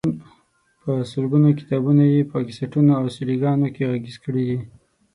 په سلګونو کتابونه یې په کیسټونو او سیډيګانو کې غږیز کړي دي.